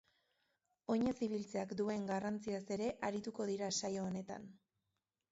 Oinez ibiltzeak duen garrantziaz ere arituko dira saio honetan.